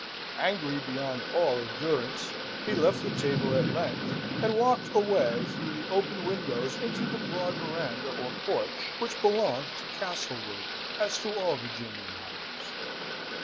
Angry beyond all endurance, he left the table at length, and walked away through the open windows into the broad verandah or porch which belonged to Castlewood as to all Virginian houses.